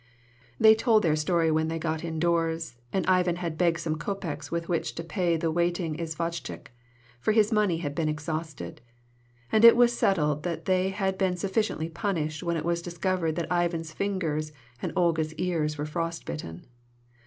They told their story when they got in doors, and Ivan had begged some kopeks with which to pay the waiting isvochtchik for his money had been exhausted; and it was settled that they had been sufficiently punished when it was discovered that Ivan's fingers and Olga's ears were frost bitten.